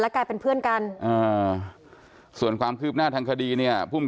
กลายเป็นเพื่อนกันอ่าส่วนความคืบหน้าทางคดีเนี่ยภูมิ